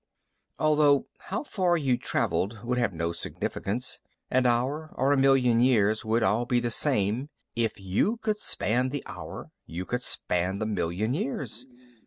Although how far you traveled would have no significance. An hour or a million years would be all the same; if you could span the hour, you could span the million years.